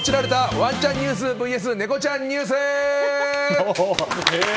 ワンちゃんニュースＶＳネコちゃんニュース！